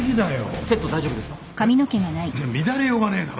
乱れようがねえだろ。